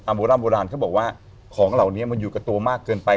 โบร่ำโบราณเขาบอกว่าของเหล่านี้มันอยู่กับตัวมากเกินไป